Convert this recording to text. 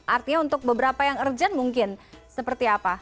artinya untuk beberapa yang urgent mungkin seperti apa